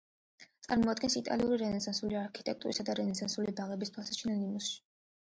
წარმოადგენს იტალიური რენესანსული არქიტექტურისა და რენესანსული ბაღების თვალსაჩინო ნიმუშს.